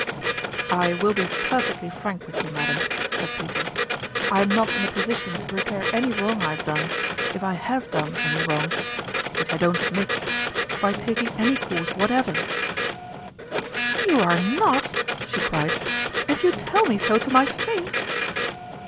" I will be perfectly frank with you, mad am," said Peter :" I am not in a position to repair any wrong I have done if I have done any wrong (which I don't admit) by taking any course whatever !"" You are not !" she cried. " And you tell me so to my face